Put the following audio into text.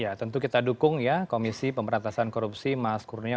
ya tentu kita dukung ya komisi pemberantasan korupsi mas kurnia